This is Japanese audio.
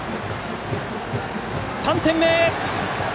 ３点目！